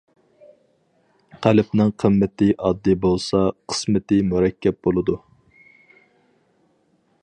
قەلبنىڭ قىممىتى ئاددىي بولسا، قىسمىتى مۇرەككەپ بولىدۇ.